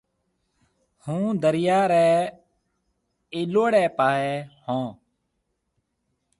هُون دريا ريَ اَلوڙَي پاهيَ هون۔